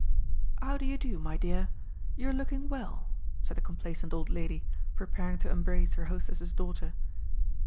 "How do you do, my dear? You're looking well," said the complaisant old lady, preparing to embrace her hostess's daughter....